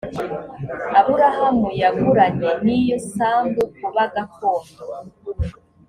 aburahamu yaguranye n iyo sambu kuba gakondo